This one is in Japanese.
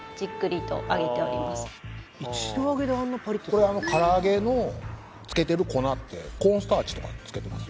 はいこれあの唐揚げのつけてる粉ってコーンスターチとかつけてます？